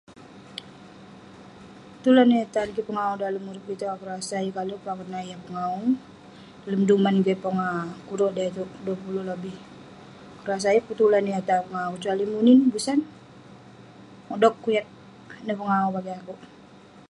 Tulan yah tan kik pengawu itouk lak urip kik itouk akuek rasa yeng kalek akouk peh nat yah pengawu dalem duman kik pogah kurek deh itouk, duah puluk lebih. Akouk rasa yeng pun tulan yah tan pengawu kecuali munin, besan, modok, kuyat, ineh pengawu bagik akouk.